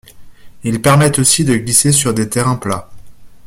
Ils permettent aussi de glisser sur des terrains plats.